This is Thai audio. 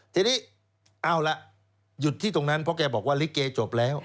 ทีนี้เอาล่ะหยุดที่ตรงนั้นเพราะแกบอกว่าลิเกจบแล้ว